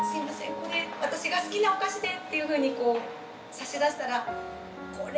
これ私が好きなお菓子で」っていうふうにこう差し出したら。